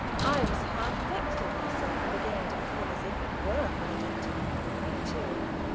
I was half vexed at myself for beginning to feel as if it were holiday time with me too.